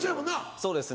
そうですね。